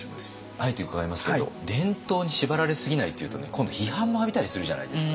あえて伺いますけれど伝統に縛られすぎないっていうとね今度批判も浴びたりするじゃないですか。